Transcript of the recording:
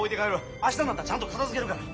明日になったらちゃんと片づけるから。